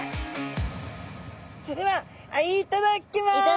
それではいただきます！